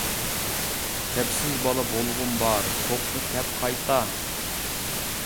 كەپسىز بالا بولغۇم بار توپنى تەپ قايتا.